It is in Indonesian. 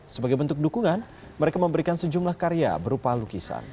sebagai bentuk dukungan mereka memberikan sejumlah karya berupa lukisan